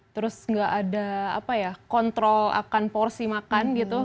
terus nggak ada kontrol akan porsi makan gitu